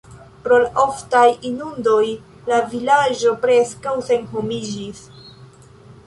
Pro la oftaj inundoj la vilaĝo preskaŭ senhomiĝis.